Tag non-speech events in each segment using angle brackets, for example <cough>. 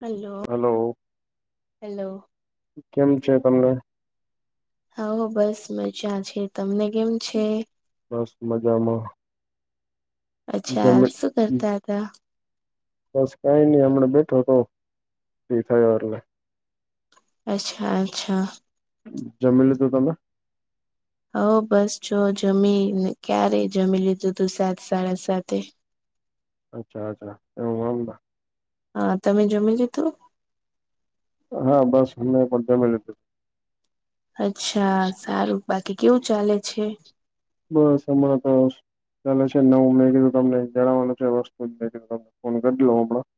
Hello hello, hello કેમ છે તમને? હા, હો, બસ મજા છે. તમને કેમ? છે બસ, મજામાં. અચ્છા, જમે શું કરતા હતા? બસ, કાઈ નઈ, હમણા બેઠો તો, ફ્રી થયો એટલે. અચ્છા, અચ્છા. જમી લીધું તમે? હ, બસ જો જમી, ને ક્યારે જમી લીધું તું, સાત સાડા સાતે. અચ્છા, અચ્છા <unintelligible> <unintelligible> હા, તમે જમી લીધુ? હા, બસ મેં પણ જમી લીધું. અચ્છા, સારું, બાકી કેવું ચાલે છે? બસ, હમણાં તો- -ચાલે છે નવું, મેં કીધું તમને જણાવવાનું છે. વસ્તુ જ, મેં કીધુ, તમને ફોન કરી લઉ હમણાં.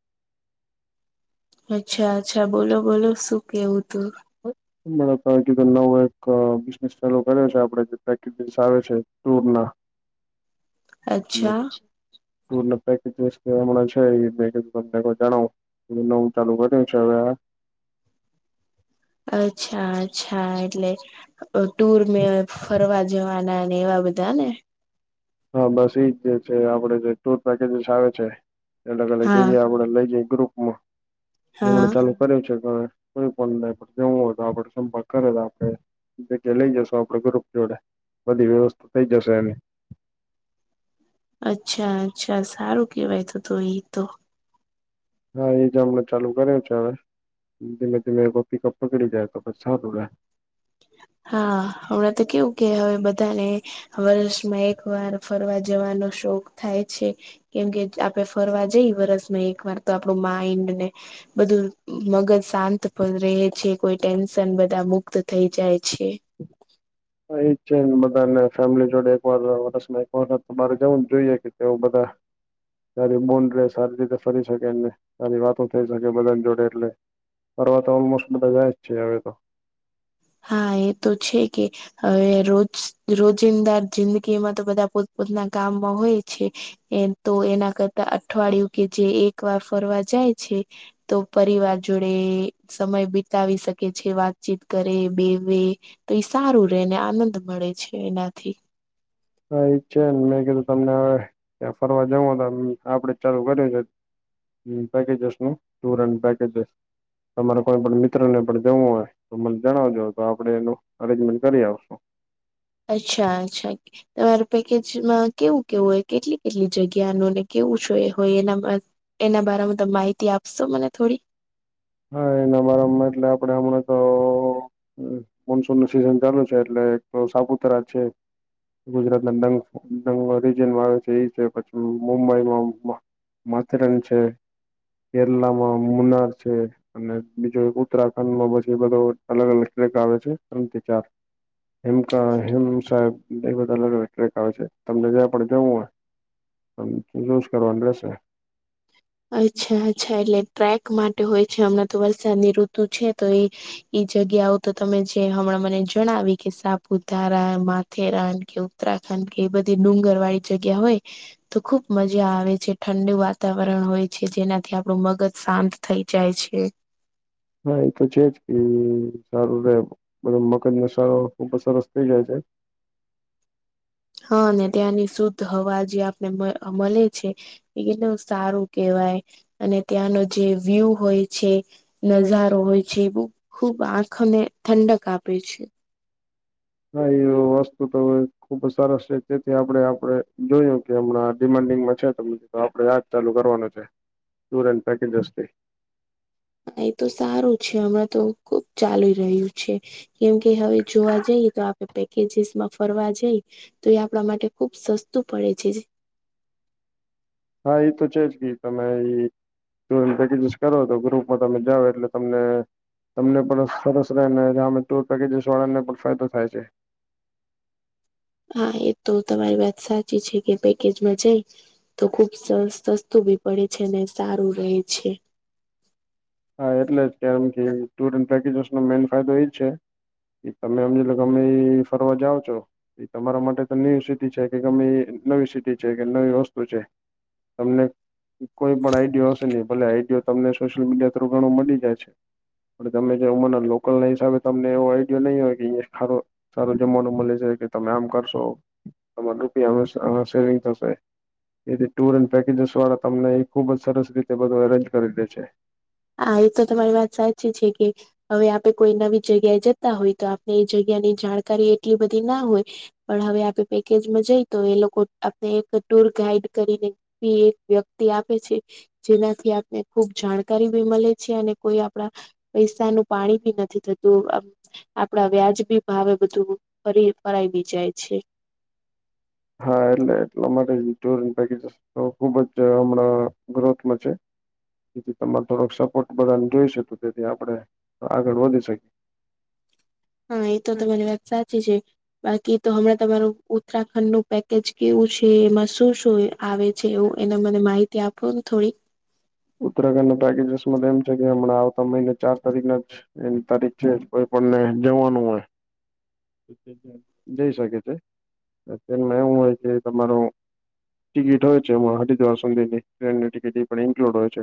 અચ્છા, અચ્છા, બોલો બોલો, શું કેવું તું? બ <inaudible> <unintelligible> નવો એક બિઝનેસ ચાલુ કર્યો છે, આપડે જે પેકેજીસ આવે છે ટુર ના- અચ્છા <unintelligible> ટૂર પેકેજીસ હમણાં છે. એ મેં કીધુ જણાવું, નવું ચાલુ કર્યું છે હવે- અચ્છા, અચ્છા, એટલે- - ટુરને, ફરવા જવાના, ને એવા બધા ને? હા, બસ એજ, જે છે આપડે જે ટુર પેકેજીસ આવે છે. અલગ અલગ હા જગ્યાએ, પડે લઈ જઈ ગ્રુપમાં. હા એમને ચાલુ - -કર્યું છે. કોઈ પણ ને જવું હોતો, આપડો સંપર્ક કરે તો આપડે- -જગ્યા લઈ જશુ આપડે, ગ્રુપ જોડે, બધી વ્યવસ્થા થઇ જશે. એની- અચ્છા, અચ્છા, સારું કેવાય તો, તો ઈ તો. હા, એ જ હમણા ચાલુ કરે છે હવે, ધીમે ધીમે પિકઅપ પકડી જાય તો પછી સારું રહે. હા, હમણાં કેવું કે હવે બધાને વર્ષમાં, એક વાર ફરવા જવાનો શોખ થાય છે. કેમ કે, આપડે ફરવા જઈ, વરસમાં એક વાર તો આપણું માઈન્ડ ને- બધું, મગજ શાંત રહે છે. કોઈ ટેન્શન બધા મુક્ત થઈ- જાય છે એજ છેને બધાને ફેમલી જોડે એક વાર વરસમાં એક વાર બારે જવું જ જોઈએ કે કેવું બધા <unintelligible> રે સારી રીતે ફરી શકે અને અને વાતો થઈ શકે બધાન જોડે એટલે ફરવા તો ઓલમોસ્ટ બધા જાય જ છે હવે તો હા એ તો છે કે હવે રોજ રોજિંદા જિંદગીમાં તો બધા પોતપોતના કામમાં હોય છે એ તો એના અઠવાડિયું કે જે એક વાર ફરવા જાય છે તો પરિવાર જોડે સમય બિતાવી શકે છે વાતચીત કર રે બેવે તે ઈ સારું રેને આનંદ મળે છે એનાથી હા એ છે ને મેં કીધું તમને ફરવા જવું હોય તો આપડે ચાલુ <unintelligible> પેકેજિસનું ટુર એન્ડ પેકેજ એ તમારે કોઈ પણ મિત્રને પણ જવું હોય તો મન જણાવજો તો આપડે એનો અરજમેન્ટ કરી આવશું. અચ્છા અચ્છા. તમારે પેકેજમાં કેવું કેવું હોય કેટલી કેટલી જગ્યાનો ને કેવું જો હોય એના મા એના બારામાં તમે માહિતી આપશો મને થોડી હાં એનામાં મતલબ આપડે હમણાં તો મોનસૂનનું સિઝન ચાલુ છે એટલે <unintelligible> સાપુતારા છે. ગુજરાતના ડંગ ડંગના રીજનમાં આવે છે ઈ છે પછી મુંબઈમાં મા માથેરાન છે કેરલામાં મુનાર છે. અને બીજો એક ઉત્તરાખંડમાં પછી એ બધો અલગ અલગ ટ્રેક આવે છે ત્રણથી ચાર હિમકા હિમસા એ બધા અલગ અલગ ટ્રેક આવે છે તમને જ્યા પણ જવું હોય. તમને ચૂઝ કરવાનું રેશે. અચ્છા અચ્છા એટલે ટ્રેક માટે હોય છે હમણાં તો વરસાદની ઋતુ છે તો એ ઈ જગ્યાઓ તો તમે જે હમણાં મને જણાવી કે સાપુતારા માથેરાન કે ઉ ત્તરાખંડ કે એ બધી ડુંગરવાળી જગ્યા હોય તો ખુબ મજા આવે છે ઠંડુ વાતાવર રણ હોય છે જેનાથી આપડુ મગજ શાંત થઈ જાય છે. હા એ તો છે જ કે સારું રે બધો મગજનો સા સરસ થઇ જાય છે. હા અને ત્યાંની શુદ્ધ હવા જે આપને મ મલે છે. એ નો સારું કેવાય અને ત્યાંનો જે વ્યુ હોય છે. નઝારો હોય છે એ બ ખુબ આંખને ઠંડક આપે છે. હા એ વસ્તુ તો ખુબ સરસ છે તેથી આપડે આપડે જોયું કે અમણાં ડિમાડિંગમાં છે તો મિત્ર આપડે આ જ ચાલુ કરવાનું છે ટુર એન્ડ પેકેજસ થી એ તો સારું છે હમણાં તો ખુબ ચાલી રયુ છે. કેમ કે હવે જોવા જઈએ તો આપડે પેકેજીસમાં ફરવા જેઈ તો એ આપડા માટે ખુબ સસ્તું પડે છે જે હા એ તો છે જ કે તમે એ ટૂર અને પેકેજિસ કરો તો ગ્રુપમાં તમે જાવ એટલે તમને તમને પણ સરસ રેય ને હામે ટુર પેકેજસ વાળા ને પણ ફાયદો થાય છે. હા એ તો તમારી વાત સાચી છે કે પેકેજમાં જઈ તો ખુબ સસ સસ્તું બી પડે છે ને સારું રેય છે. હા એટલે જ કેમ કે ટુર એન્ડ પેકેજસ નો મેન ફાયદો એ જ છે. કે તમે અમને ગમે ઈ ફરવા જાવ છો. એ તમારા માટે તો ન્યુ સિટી છે કે ગમે ઈ નવી સિટી છે કે નવી વસ્તુ છે. તમને કોઈ પણ આઈડિયો હશે નઈ ભલે આઈડિયો તમને સોશિયલ મીડિયા થોરુ ઘણું મડી જાય છે. પણ તમે જે ઉંમરના લોકલના હિસાબે તમને એવો આઈડિયા નહીં હોય કે અહીંયા <unintelligible> સારું જમાવાનું મલે છે કે તમે આમ કરશો, તમાર રૂપિયા અ સ અ સેવિંગ થશે. એથી ટુર એન્ડ પેકેજસ વાળા તમને એ ખુબ જ સરસ રીતે બધું અરેન્જ કરી દે છે. હા, એ તો તમારી વાત સાચી છે કે હવે આપે કોઈ નવી જગ્યાએ જતા હોય તો આપણે એ જગ્યાની જાણકારી એટલી બધી ના હોય. પણ હવે આપે પેકેજમાં જઈ તો એ લોકો આપણે એક ટુર ગાઈડ કરીને ઈ એક વ્યક્તિ આપે છે, જેનાથી આપને ખુબ જાણ કારી બી મલે છે અને કોઈ આપણા પૈસાનું પાણી બી નથી થતું. આમ આપડા વ્યાજબી ભાવે બધું ફરી ફરાય બી જાય છે. હા, એટલે એટલા માટે જ ટૂર એન્ડ પેકેજિસ તો ખુબ જ હમણાં ગ્રોથમાં છે. જેથી તમારો થોડોક સપોર્ટ બધાને જોઈશે તો તેથી આપણે આગળ વધી શ હા, એ તો તમારી વાત સાચી છે. બાકી તો હમણાં તમારું ઉત્તરાખંડનું પેકેજ કેવું છે, એમાં શું શું હોય? આવે છે એવું એને મને માહિતી આપોને થોડીક ઉત્તરાખંડના પેકેજસ એમ છે કે હમણાં આવતા મહિને ચાર તારીખના જ એની તારીખ છેજ કોઈ પણને જવાનું હોય. જ જ જઈ શકે છે અત્યારમાં એવું હોય કે તમારો ટિકિટ હોય છે એ હરિદ્વાર સુધીની ટ્રેનની ટિકિટ ઈ પણ ઇન્ક્લુડ હોય છે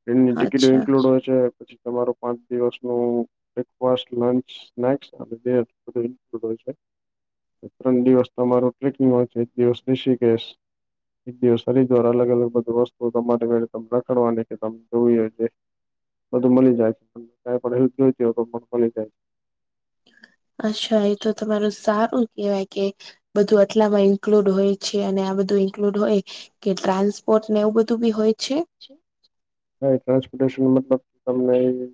ટ્રેનની ટિકિટય અચ્છા ઇન્ક્લુડ હોય છે. તમારો પાંચ દિવસનું બ્રેકફાસ્ટ, લંચ સ્નેક્સ અને બેડ બધું ઇન્ક્લુડ હોય છે. ત્રણ દિવસ તમારું ટ્રેકિંગ હોય છે, એક દિવસ ઋષિકેશ એક દિવસ હરિદ્વાર અલગ અલગ બધું વસ્તુ તમારે <unintelligible> <unintelligible> તમે જોઈ હશે બધું મળી જાય, પણ ક પણ <unintelligible> હોય તો પણ મળી જાય. અચ્છા એ તો તમારું સારું કેહેવાય કે બધું આટલામાં ઇન્ક્લુડ હોય. છે અને આ બધું ઇન્ક્લુડ હોય કે ટ્રાન્સપોર્ટને એવું બધું બી હોય છે. <unintelligible> ટ્રાન્સપોટેશન મતલબ તમને ઈ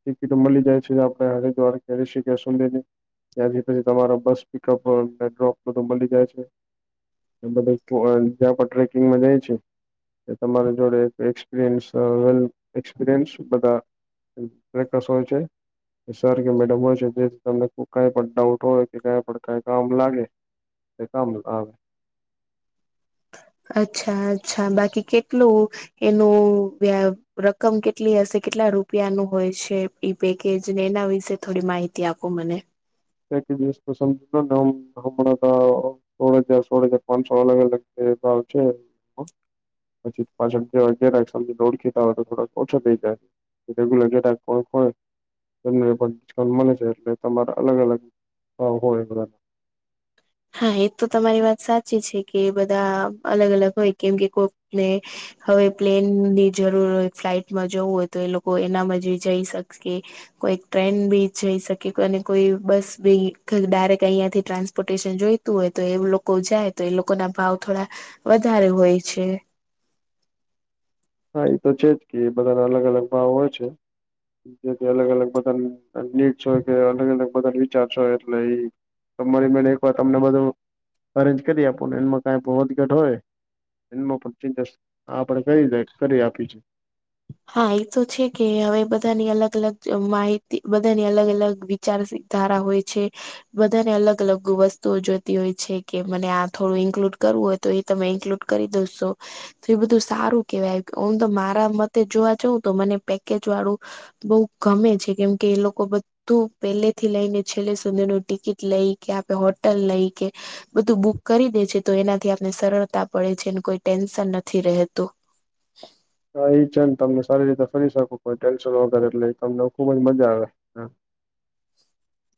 ટિકિટો મલી જાય છે આપડે હરિદ્વાર કે ઋષિકેશ સુધીની ત્યાંથી પછી તમારા બસ પિકઅપ ડ્રોપધ મલી જાય છે. એ બધા <unintelligible> જ્યાં પણ ટ્રેકિંગમાં જાય છે એ તમારે જોડે એક્સપિરીયન્સ અ એક્સપિરીયન્સ બધા <unintelligible> હોય છે. સર કે મેડમ હોય છે જેથી તમને કઈ પણ ડાઉટ હોય કે કઈ પણ કઈ કામ લાગે તે કામનું આવ અચ્છા અચ્છા બાકી કેટલું એનું વ્યા રકમ કેટલી હશે, કેટલા રૂપિયાનું હોય છે? ઈ પેકેજ ને એના વિશે થોડી માહિતી આપો મને. એક દિવસ તો સમ <unintelligible> હમણાં તો સોળ હજાર સોળ હજાર પાંચસો અલગ અલગ જે ભાવ છે હ. પછી પાછળ જે <unintelligible> ળખીતા હોય તો થોડોક ઓછો થઈ જાય. રેગ્યુલર કે કોઈ હોય <unintelligible> મળે છે એટલે તમાર અલગ અલગ <unintelligible> હોય બધા. હા, એ તો તમારી વાત સાચી છે કે બધા અલગ અલગ હોય કેમ કે કોકને હવે પ્લેનની જરૂર હોય ફ્લાઇટમાં જવું હોય તો એ લોકો એનામાં જ જઈ શકશે. કોઈ ટ્રેન બી જઈ શકે અને કોઈ બસ બી ડાયરેક્ટ અહીંયા થી ટ્રાન્સપોર્ટ ન જોઈતું હોય એ લોકો જાય એ લોકો ના ભાવ થોડા વધારે હોય છે. હા એ તો છે જ કે એ બધાના અલગ અલગ ભાવ હોય છે. જેથી અલગ અલગ બધાની તકલીફ છે કે અલગ અલગ બધ વિચારશો એટલે એ તમારી બે એક વાર તમને બધું અરેન્જ કરી આપું ને એમાં કાઈ વધઘટ હોય એમાં પણ ચિંતા આપણે કરી કરી આપી છે. હા એ તો છે કે હવે બધાની અલગ અલગ માહિતી બધાની અલગ અલગ ચાર ધારા હોય છે. બધાને અલગ અલગ વસ્તુઓ જોતી હોય છે કે મને આ થોડું ઈન્કલુડ કરવું હોય. તો એ તમે ઇન્ક્લુડ કરી દેશો તો એ બધું સારું કેવાય આવ તો મારા મત તે જોવા જો તો મને પેકેજ વાળું બઉ ગમે છે કેમ કે એ લોકો તું પેલે થી લઈને છેલ્લે સુધીને ને ટિકિટ લઈ કે આપે હોટલ લઈ કે બધું બુક કરી દે છે તો એનાથી આપને સરળતા પડે છે કોઈ ટેન્શન નથી રહેતું. હા એ છે ને તમને સારી રીતે ફરી શકું કોઈ ટેન્શન વગેરે એટલે તમને ખૂબ જ મજા આવે.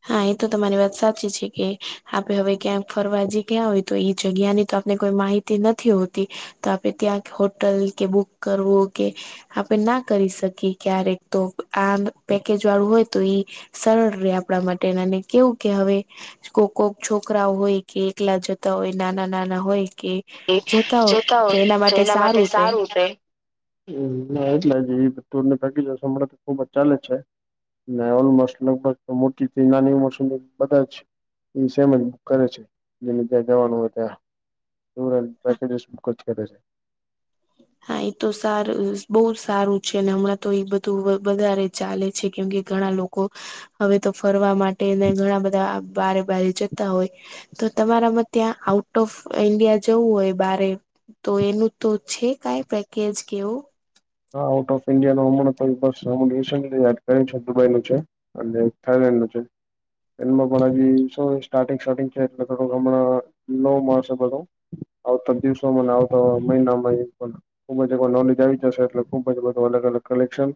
હા એ તો તમારી વાત સાચી છે કે આપે હવે ક્યાં ફરવા જઈ ગયા હોય તો એ જગ્યા ની તો આપને કોઈ માહિતી તે નથી હોતી તો આપે ત્યાં હોટલ કે બુક કરવું કે. આપણે ના કરી શકીએ ક્યારેક તો આ પેકેજ વાળું હોય તો ઈ સરળ રે આપણા માટે અને કેવું કે હવે કોક કોક છોકરા હોય કે એકલા જતા હોય નાના નાના હોય કે કે જતા હોય તો એના માટે સારું રે હમ્મ ના એટલા જ હોય બધુ ભાગી જશે અમારે તો ખુબ જ ચાલે જ છે. ના ઓલમોસ્ટ લગભગ મોટી થઈ નાની મોટી બધા છે. એ સેમ કરે છે એને ત્યાં જવાનું હોય ત્યાં હમ્મ પેકેજ કરેે છે. હા એ તો સારું બહુ સારું છે અને હમણાં તો એ બધું તો વધારે ચાલે છે કેમ કે ઘણા લોકો હવે તો ફરવા માટે ઘણા બધા બારે બારે જતા હોય તો તમારામાં ત્યાં આઉટ ઓફ ઈન્ડિયા જવું હોય બારે તો એનું તો છે. કાઈ પેકેજ કે એવું હા આઉટ ઓફ ઈન્ડિયા નો હમણા રિસેલી યાદ કરી છે દુબઈ નું છે અને થાઈલેન્ડ નું છે એમાં પણ હજી શું સ્ટાર્ટિંગ સ્ટાર્ટિંગ છે એટલે થોડુંક હમણાં ન મળશે બધું આવતા દિવસોમાં આવતા મહિનામાં અમુક નોલેજ આવી જશે. એટલે ખૂબ જ બધું અલગ અલગ કલેક્શન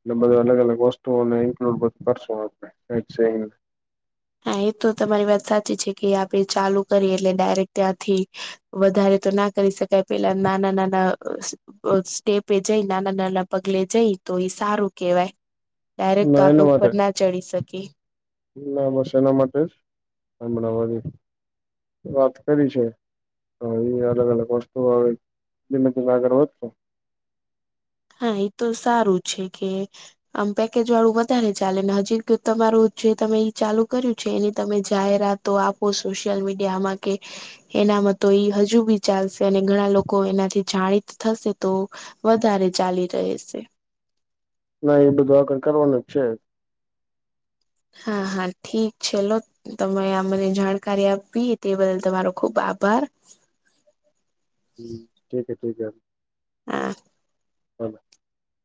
એટલે બધુ અલગ અલગ વસ્તુઓ ને ઇન્ક્લુડ કાઈ છે ઇ હા એ તો તમારી વાત સાચી છે કે આપે ચાલુ કરીએ એટલે ડાયરેક્ટ ત્યાંથી વધારે તો ના કરી શકાય પેલા નાના નાના સ્ટેપે જઈ નાના નાના પગલે જઈ તો એ સારું કેહેવાય. ડાયરેક્ટ તો ના આપે એના ઉપર માટે ના ચડી શકી ના બસ એના માટે જ હમણા વાત કરી છે. હા એ અલગ અલગ વસ્તુ માટે ધીમે ધીમે આગળ વધતું હોત હા એ તો સારું છે કે આમ પેકેજ વાળું વધારે ચાલે ને હજી તમારું જે તમે ચાલુ કર્યું છે એની તમે જાહેરાત તો આપો સોશિયલ મીડિયામાં કે એનામાં તો ઈ હજુ બી ચાલશે અને ઘણા લોકો એનાથી જાણીત થશે તો વધારે ચાલી રહે છે. નઈ એ બધું આગળ કરવાનું જ છે. હા હા ઠીક છેલો તમે અમને જાણકારી આપી તે બદલ તમારો ખુબ આભાર હું ઠીકે ઠીકે હા <unintelligible>